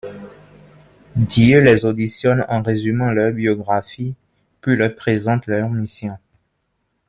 Dieu les auditionne en résumant leur biographie, puis leur présente leur mission.